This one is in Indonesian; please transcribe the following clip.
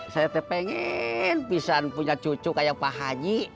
saya pengen bisa punya cucu kayak pak haji